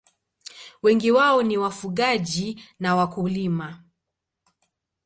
Wengi wao ni wafugaji na wakulima.